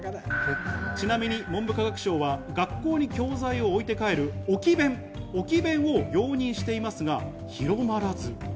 ちなみに文部科学省は学校に教材を置いて帰る置き勉を容認していますが、広まらず。